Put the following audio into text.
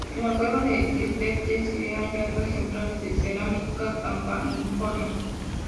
En la cueva del Destete se han hallado ejemplares de cerámica campaniforme.